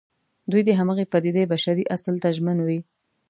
دوی د همغې پدېدې بشري اصل ته ژمن وي.